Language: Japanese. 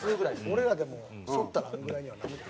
俺らでもそったらあのぐらいにはなる。